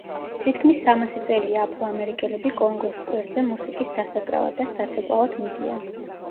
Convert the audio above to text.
თითქმის სამასი წელია აფრო-ამერიკელები კონგოს სკვერზე მუსიკის დასაკრავად და საცეკვაოდ მიდიან.